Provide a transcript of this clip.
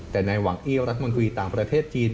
แต่ในหวังอี้รัฐมนตรีต่างประเทศจีน